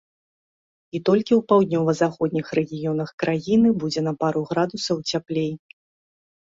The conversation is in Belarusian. І толькі ў паўднёва-заходніх рэгіёнах краіны будзе на пару градусаў цяплей.